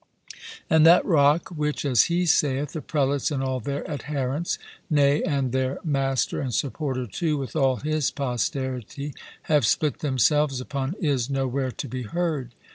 And that rock which, as he saith, the prelates and all their adherents, nay, and their master and supporter, too, with all his posterity, have split themselves upon, is nowhere to be heard.